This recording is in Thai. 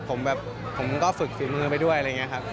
ผมแบบผมก็ฝึกฝีมือไปด้วยอะไรอย่างนี้ครับ